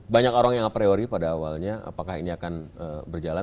banyak orang yang a priori pada awalnya apakah ini akan berjalan